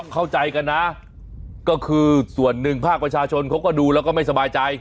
เข้าใจกันนะก็คือส่วนหนึ่งภาคประชาชนเขาก็ดูแล้วก็ไม่สบายใจ